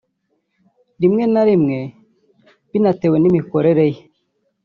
rimwe na rimwe binatewe n’imikorere ye